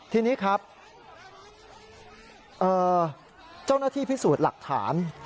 ทีนี้ครับเจ้าหน้าที่พิสูจน์หลักฐาน